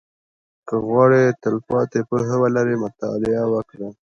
• که غواړې تلپاتې پوهه ولرې، مطالعه وکړه.